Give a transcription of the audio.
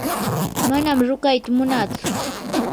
manam ruqayta munatsu.